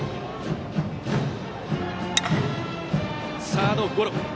サードゴロ。